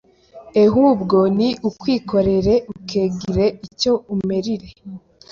ehubwo ni ukwikorere ukegire icyo umerire